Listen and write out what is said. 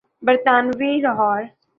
برطانوی لاہور۔